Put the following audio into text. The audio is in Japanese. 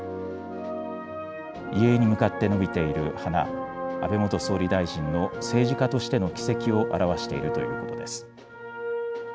遺影に向かってのびている花、安倍元総理大臣の政治家としての軌跡を表しているということです。